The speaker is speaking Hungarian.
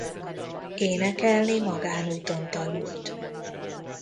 Énekelni magánúton tanult.